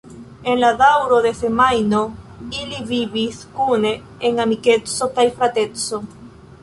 En la daŭro de semajno ili vivis kune en amikeco kaj frateco.